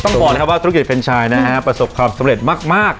บอกนะครับว่าธุรกิจแฟนชายนะฮะประสบความสำเร็จมาก